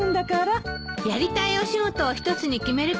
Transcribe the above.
やりたいお仕事を一つに決めることないのよ。